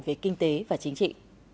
giữa kinh tế và chính trị